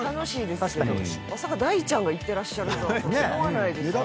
まさか大ちゃんが行ってらっしゃるとは思わない。